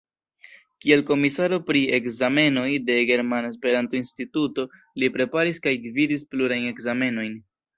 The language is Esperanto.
Kiel komisaro pri ekzamenoj de Germana Esperanto-Instituto li preparis kaj gvidis plurajn ekzamenojn.